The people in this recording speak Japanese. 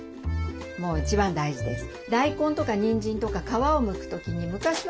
もう一番大事です。